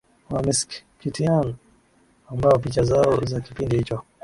wa Meskhetian ambao picha zao za kipindi hicho